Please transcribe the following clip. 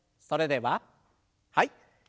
それでははい。